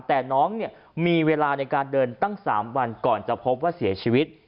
แต่น้องเนี่ยมีเวลาในการเดินตั้ง๓วันก่อนจะพบว่าเสียชีวิต